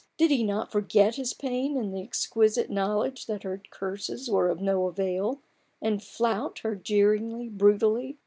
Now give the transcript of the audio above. Did he not forget his pain in the exquisite know ledge that her curses were of no avail, and flout her jeeringly, brutally